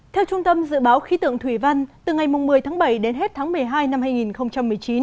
theo trung tâm dự báo khí tượng thủy văn từ ngày một mươi tháng bảy đến hết tháng một mươi hai năm hai nghìn một mươi chín